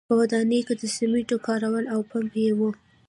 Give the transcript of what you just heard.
په ودانیو کې د سیمنټو کارول او پمپ یې و